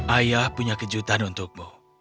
ayah punya kejutan untukmu